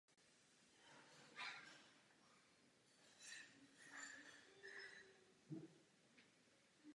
K usnadnění vyhledávání jsou adresáře často vedeny v abecedním pořádku.